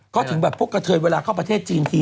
ก็ถึงแบบพวกกระเทยเวลาเข้าประเทศจีนที